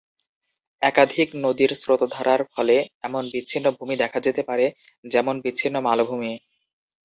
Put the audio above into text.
একাধিক নদীর স্রোত-ধারার ফলে এমন বিচ্ছিন্ন ভূমি দেখা যেতে পারে যেমন বিচ্ছিন্ন মালভূমি।